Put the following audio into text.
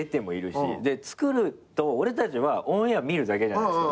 で作ると俺たちはオンエア見るだけじゃないですか。